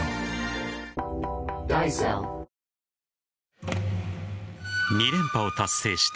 はぁ２連覇を達成した